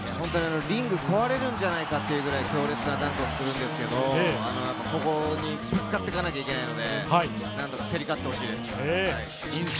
リングが壊れるんじゃないかというくらい、強烈なダンクで、ここにぶつかっていかなければいけないので、何とか競り勝ってほしいです。